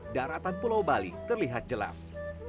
daratan pulau bali terlihat jelas